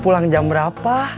pulang jam berapa